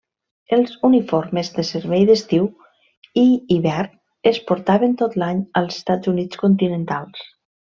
Els uniformes de servei d'estiu i hivern es portaven tot l'any als Estats Units continentals.